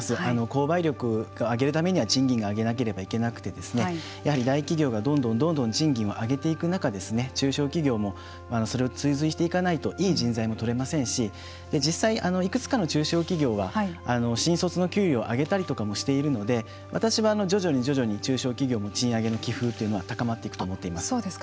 購買力を上げるためには賃金を上げなければいけなくてやはり大企業がどんどん賃金を上げていく中中小企業もそれに追随していかないといい人材も採れませんし実際いくつかの中小企業は新卒の給料を上げたりとかもしているので私は、徐々に徐々に中小企業の賃上げの気風というのは高まっていくと思っています。